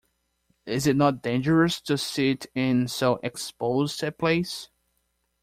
Is it not dangerous to sit in so exposed a place?